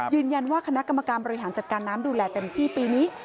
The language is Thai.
ยืนยันว่าคณะกรรมการบริหารจัดการน้ำดูแลเต็มที่ปีนี้